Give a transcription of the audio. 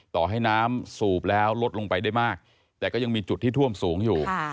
ต่อให้น้ำสูบแล้วลดลงไปได้มากแต่ก็ยังมีจุดที่ท่วมสูงอยู่